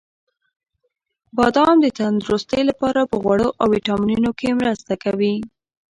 • بادام د تندرستۍ لپاره په غوړو او ویټامینونو کې مرسته کوي.